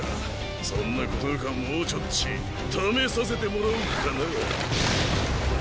そんなことよかもうちょっち試させてもらおっかな。